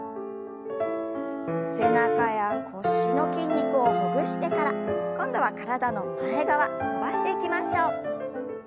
背中や腰の筋肉をほぐしてから今度は体の前側伸ばしていきましょう。